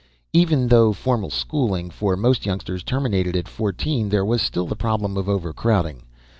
Even though formal schooling, for most youngsters, terminated at fourteen, there was still the problem of overcrowding.